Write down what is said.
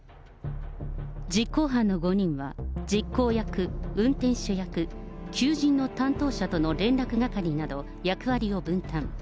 実行犯の５人は、実行役、運転手役、求人の担当者との連絡係など、役割を分担。